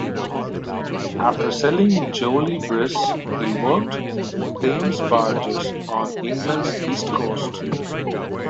After selling Jolie Brise he worked Thames barges on England's east coast.